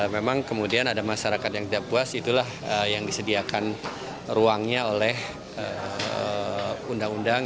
memang kemudian ada masyarakat yang tidak puas itulah yang disediakan ruangnya oleh undang undang